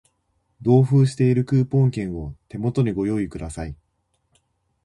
同封しているクーポン券を手元にご用意ください